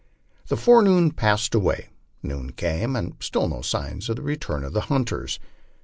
The forenoon passed away, noon came, and still no signs of the return of the hunters.